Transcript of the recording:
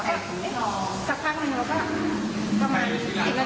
พอเสร็จแล้วก็มาดูทีมีตอนแรกก็ไม่แน่ใส